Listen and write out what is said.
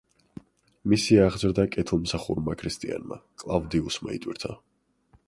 მისი აღზრდა კეთილმსახურმა ქრისტიანმა, კლავდიუსმა იტვირთა.